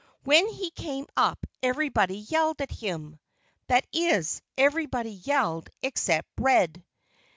When he came up everybody yelled at him. That is, everybody yelled except Red.